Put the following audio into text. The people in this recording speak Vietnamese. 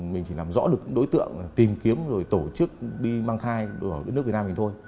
mình chỉ làm rõ được đối tượng tìm kiếm rồi tổ chức đi mang thai ở đất nước việt nam mình thôi